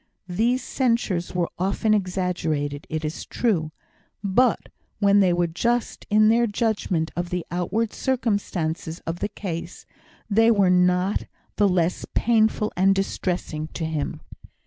These censures were often exaggerated, it is true; but when they were just in their judgment of the outward circumstances of the case, they were not the less painful and distressing to him.